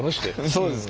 そうですか？